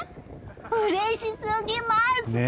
うれしすぎます！